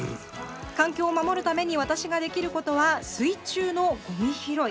「環境を守るために私ができることは水中のゴミ拾い。